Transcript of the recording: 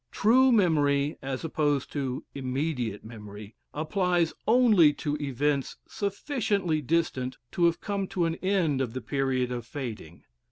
True memory, as opposed to "immediate memory," applies only to events sufficiently distant to have come to an end of the period of fading.